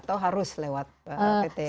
atau harus lewat pt